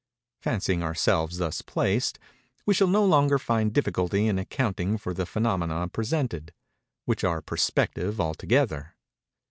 Fancying ourselves thus placed, we shall no longer find difficulty in accounting for the phænomena presented—which are perspective altogether.